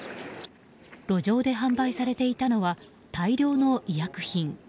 路上で販売されていたのは大量の医薬品。